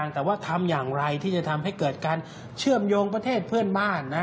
แต่ว่าทำอย่างไรที่จะทำให้เกิดการเชื่อมโยงประเทศเพื่อนบ้าน